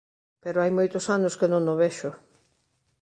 Pero hai moitos anos que non o vexo.